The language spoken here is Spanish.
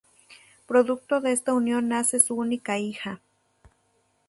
Producto de esta unión nace su única hija.